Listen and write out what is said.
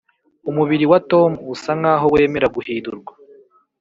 umubiri wa tom usa nkaho wemera guhindurwa.